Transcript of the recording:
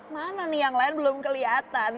mana nih yang lain belum kelihatan